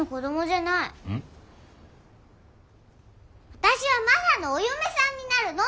私はマサのお嫁さんになるの！